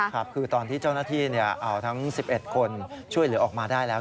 ครับคือตอนที่เจ้าหน้าที่เอาทั้ง๑๑คนช่วยเหลือออกมาได้แล้ว